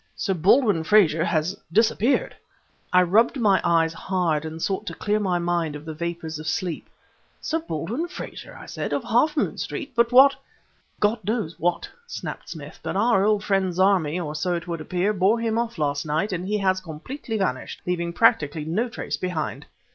Sir Baldwin Frazer has disappeared!" I rubbed my eyes hard and sought to clear my mind of the vapors of sleep. "Sir Baldwin Frazer!" I said, "of Half Moon Street? But what " "God knows what," snapped Smith; "but our old friend Zarmi, or so it would appear, bore him off last night, and he has completely vanished, leaving practically no trace behind."